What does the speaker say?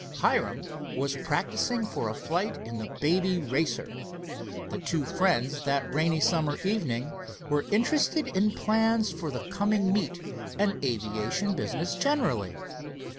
Hiram was practicing for a flight in the Baby Racer. The two friends that rainy summer evening were interested in plans for the coming meet and aviation business generally.